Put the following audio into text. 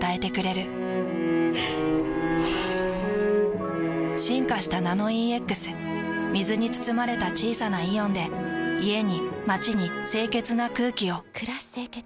ふぅ進化した「ナノイーＸ」水に包まれた小さなイオンで家に街に清潔な空気を。